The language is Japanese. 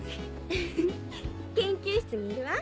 フフ研究室にいるわ。